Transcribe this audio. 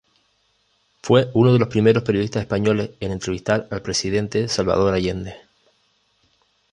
Fue uno de los primeros periodistas españoles en entrevistar al Presidente Salvador Allende.